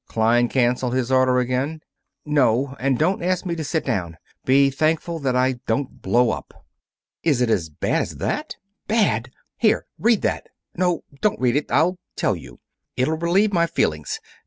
"Klein cancel his order again?" "No. And don't ask me to sit down. Be thankful that I don't blow up." "Is it as bad as that?" "Bad! Here read that! No, don't read it; I'll tell you. It'll relieve my feelings.